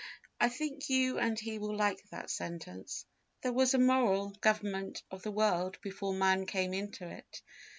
... I think you and he will like that sentence: 'There was a moral government of the world before man came into it.